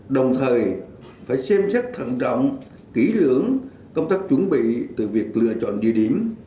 đồng thời phải xem xét thận trọng kỹ lưỡng công tác chuẩn bị từ việc lựa chọn địa điểm